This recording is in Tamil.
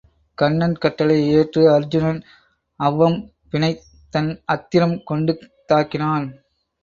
கண்ணன் கட்டளையை ஏற்று அருச்சுனன் அவ்வம் பினைத் தன் அத்திரம் கொண்டு தாக்கினான்.